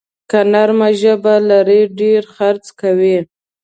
که نرمه ژبه لرې، ډېر خرڅ کوې.